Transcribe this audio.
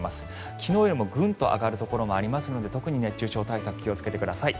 昨日よりもグンと上がるところもありますので特に熱中症対策気をつけてください。